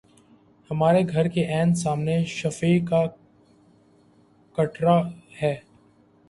ہمارے گھر کے عین سامنے شفیع کا کٹڑہ ہے۔